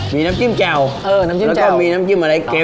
มีน้ำจิ้มแจวและก็มีน้ำจิ้มเกวี่ยเออ